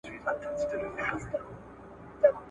که انټرنیټي اسانتیا وي نو هیله نه ختمیږي.